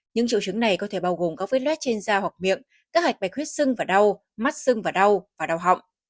những triệu chứng này có thể bao gồm các vết loét trên da hoặc miệng các hạch bạch huyết xưng và đau mắt xưng và đau và đau họng